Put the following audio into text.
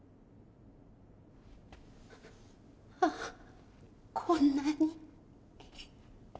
ああこんなに。